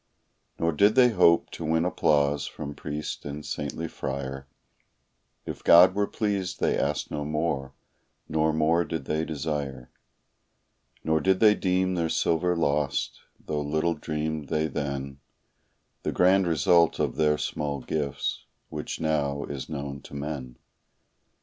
Nor did they hope to win applause from priest and saintly friar; If God were pleased they asked no more, nor more did they desire; Nor did they deem their silver lost, though little dreamed they then The grand result of their small gifts, which now is known to men.